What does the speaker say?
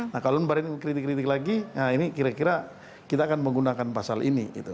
nah kalau mbak rini kritik kritik lagi nah ini kira kira kita akan menggunakan pasal ini